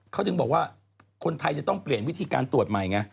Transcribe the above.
เขาถึงบอกว่าคนไทยจะต้องเปลี่ยนวิธีการตรวจใหม่ไง